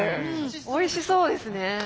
おいしそうですね。